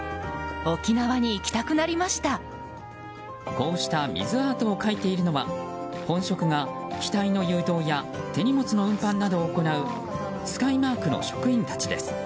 こうした水アートを描いているのは本職が機体の誘導や手荷物の運搬などを行うスカイマークの職員たちです。